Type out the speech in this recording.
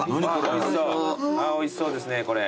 おいしそうですねこれ。